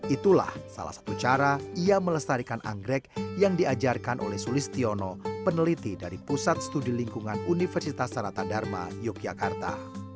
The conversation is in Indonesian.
itulah salah satu cara ia melestarikan anggrek yang diajarkan oleh sulistiono peneliti dari pusat studi lingkungan universitas sarata dharma yogyakarta